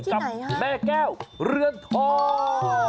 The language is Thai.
กับแม่แก้วเรือนทอง